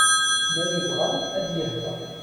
Ma yebɣa ad yehder.